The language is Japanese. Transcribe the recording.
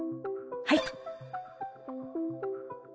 はい。